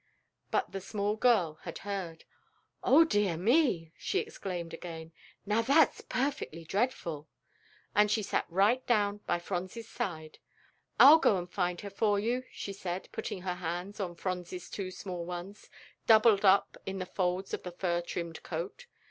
But the small girl had heard. "O dear me!" she exclaimed again; "now that's perfectly dreadful," and she sat right down by Phronsie's side. "I'll go and find her for you," she said, putting her hands on Phronsie's two small ones, doubled up in the folds of the fur trimmed coat.